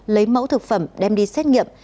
lấy mẫu thực phẩm đem đi xét nghiệm